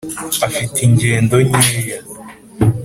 afite ingendo nkeya,